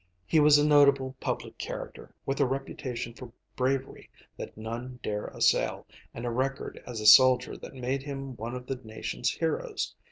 He was a notable public character, with a reputation for bravery that none dare assail, and a record as a soldier that made him one of the nation's heroes.